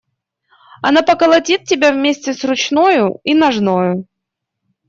Она поколотит тебя вместе с ручною и ножною.